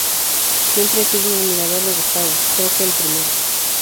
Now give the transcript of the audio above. Siempre he sido un admirador de Gustavo, creo que el primero.